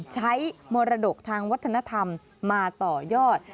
มรดกทางวัฒนธรรมมาต่อยอด